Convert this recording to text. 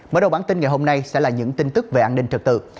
mở đầu bản tin ngày hôm nay sẽ là những tin tức về an ninh trật tự